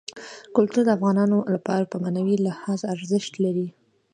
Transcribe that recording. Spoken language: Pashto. کلتور د افغانانو لپاره په معنوي لحاظ ارزښت لري.